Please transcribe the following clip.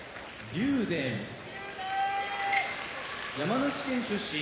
竜電山梨県出身